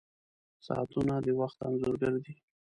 • ساعتونه د وخت انځور ګر دي.